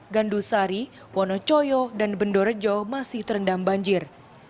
gandu sari wonocoyo dan bendorejo masih terendam banjir